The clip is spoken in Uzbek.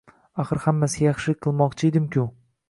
Axir hammasiga yaxshilik qilmoqchiydim-ku!